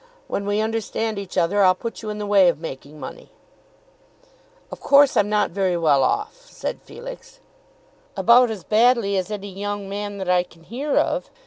When we understand each other I'll put you in the way of making money." "Of course I'm not very well off," said Felix. "About as badly as any young man that I can hear of.